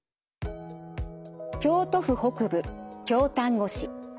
京都府北部京丹後市。